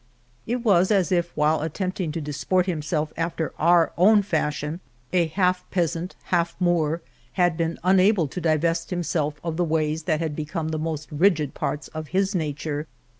It was as if while attempting to disport 123 El Toboso himself after our own fashion, a half peasant, half Moor, had been unable to divest himself of the ways that had become the most rigid parts of his nature.